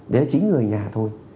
đấy là chính người nhà thôi